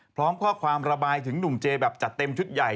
พร้อมข้อความระบายถึงหนุ่มเจแบบจัดเต็มชุดใหญ่